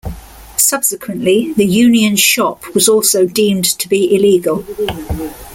Subsequently, the Union Shop was also deemed to be illegal.